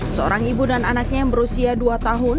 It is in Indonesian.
seorang ibu dan anaknya yang berusia dua tahun